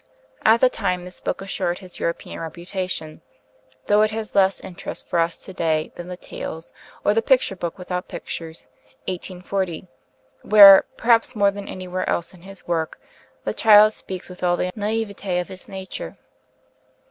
At the time, this book assured his European reputation; though it has less interest for us to day than the 'Tales,' or the 'Picture Book without Pictures' (1840), where, perhaps more than anywhere else in his work, the child speaks with all the naïveté of his nature.